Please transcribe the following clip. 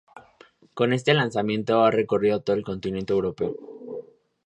Con este lanzamiento ha recorrido todo el continente europeo.